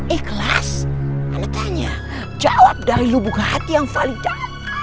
ikhlas anda tanya jawab dari lubuk hati yang validar